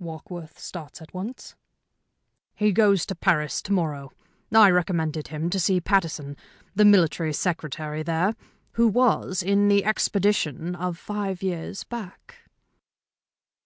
"Warkworth starts at once?" "He goes to Paris to morrow. I recommended him to see Pattison, the Military Secretary there, who was in the expedition of five years back."